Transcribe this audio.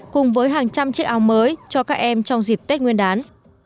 cùng với hàng trăm chiếc áo mới cho các em trong dịp tết nguyên đán